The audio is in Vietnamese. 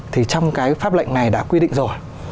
thì trong cái pháp lệnh này đã quy định rồi